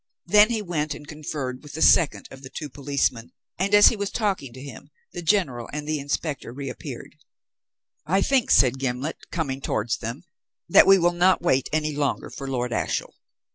Then he went and conferred with the second of the two policemen, and as he was talking to him the General and the inspector reappeared. "I think," said Gimblet, coming towards them, "that we will not wait any longer for Lord Ashiel."